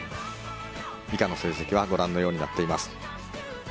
以下の成績はご覧のようになっています。